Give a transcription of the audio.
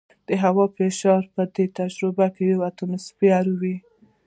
د هوا فشار په دې تجربه کې یو اټموسفیر وي.